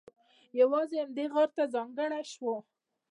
یوازې همدې غار ته ځانګړی شو.